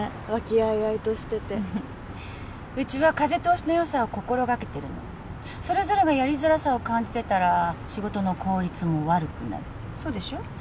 和気あいあいとしててうちは風通しのよさを心がけてるのそれぞれがやりづらさを感じてたら仕事の効率も悪くなるそうでしょ？